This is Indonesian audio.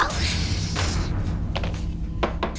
saya merasa begini